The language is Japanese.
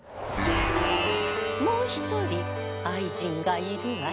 もう１人愛人がいるわね